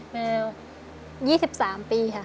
ทั้งในเรื่องของการทำงานเคยทำนานแล้วเกิดปัญหาน้อย